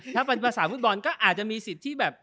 ถ้าเป็นภาษาฟุตบอลก็อาจจะมีสิทธิ์ที่แบบ